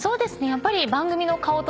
やっぱり。